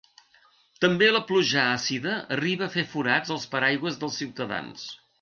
També la pluja àcida arriba a fer forats als paraigües dels ciutadans.